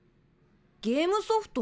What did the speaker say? ゲームソフト？